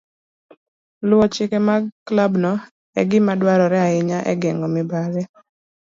Luwo chike mag klabno en gima dwarore ahinya e geng'o mibadhi.